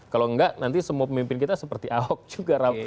kalau enggak nanti semua pemimpin kita seperti ahok juga